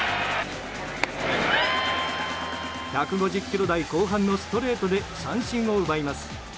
１５０キロ台後半のストレートで三振を奪います。